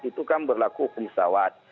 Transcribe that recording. itu kan berlaku pesawat